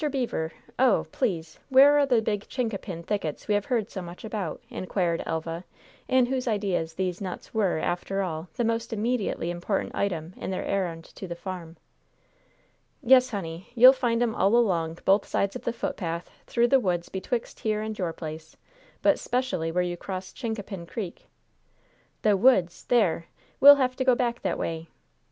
Beever! Oh! please, where are the big chincapin thickets we have heard so much about?" inquired Elva, in whose ideas these nuts were, after all, the most immediately important item in their errand to the farm. "Yes, honey, you'll find 'em all along both sides of the footpath through the woods betwixt here and your place, but 'specially where you cross Chincapin Creek." "The woods! There! We'll have to go back that way.